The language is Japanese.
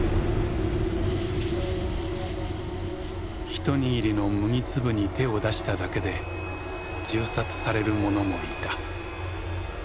一握りの麦粒に手を出しただけで銃殺される者もいた。